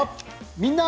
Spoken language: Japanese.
「みんな！